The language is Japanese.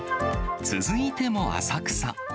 続いても浅草。